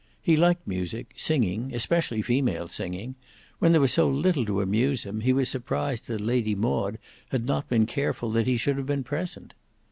He liked music, singing, especially female singing; when there was so little to amuse him, he was surprised that Lady Maud had not been careful that he should have been present.